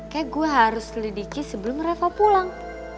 kayaknya gue harus lidiki sebelum reva pulang